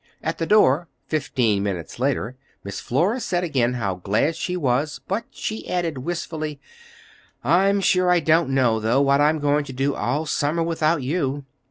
At the door, fifteen minutes later, Miss Flora said again how glad she was; but she added wistfully:— "I'm sure I don't know, though, what I'm going to do all summer without you.